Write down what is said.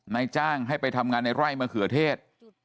นายจ้างให้ไปทำงานในไร่มะเขือเทศ